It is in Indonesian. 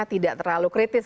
tidak terlalu kritis